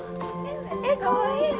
えっかわいいね！